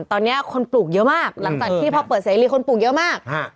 ตอนนี้คนปลูกเยอะมากหลังจากที่พอเปิดเสรีคนปลูกเยอะมาก